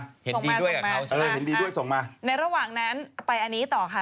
เห็นดีด้วยกับเขาส่งมาค่ะค่ะในระหว่างนั้นไปอันนี้ต่อค่ะ